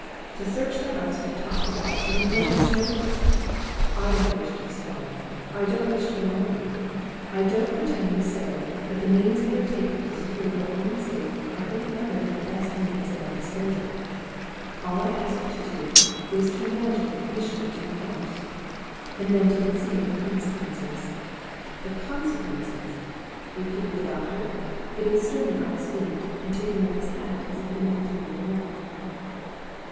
and search the house from top to bottom at a moment's notice! I don't wish to despond; I don't wish to alarm you; I don't pretend to say that the means we are taking to secure your own safety are any other than the best means at our disposal. All I ask you to do is to imagine the Commissioners in the house and then to conceive the consequences. The consequences!" repeated the doctor, getting sternly on his feet, and taking up his hat as if he meant to leave the room.